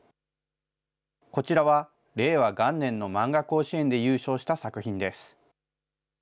こちらは、令和元年のまんが甲子園で優勝した作品です。